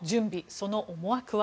その思惑は？